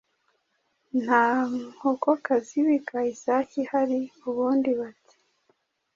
Nta nkokokazi ibika isake ihari”, ubundi bati: